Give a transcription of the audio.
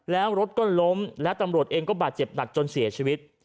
แล้วรถก็ล้มและตำรวจเองก็บาดเจ็บหนักจนเสียชีวิต